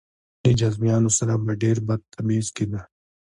له جذامیانو سره به ډېر بد تبعیض کېده.